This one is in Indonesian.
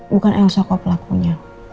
bukan elsa kok pelakunya